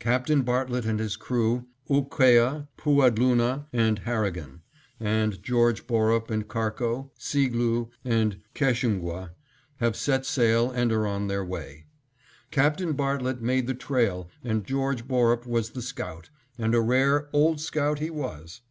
Captain Bartlett and his crew, Ooqueah, Pooadloonah, and Harrigan; and George Borup and Karko, Seegloo, and Keshungwah, have set sail and are on their way. Captain Bartlett made the trail and George Borup was the scout, and a rare "Old Scout" he was.